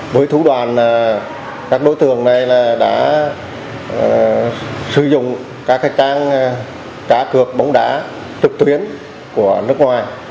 với thủ đoàn các đối tượng này đã sử dụng các trang cá cược bóng đá trực tuyến của nước ngoài